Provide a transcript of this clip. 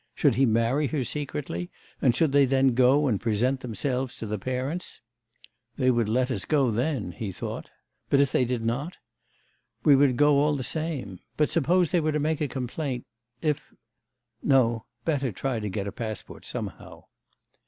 Should he marry her secretly, and should they then go and present themselves to the parents?... 'They would let us go then,' he thought 'But if they did not? We would go all the same. But suppose they were to make a complaint... if... No, better try to get a passport somehow.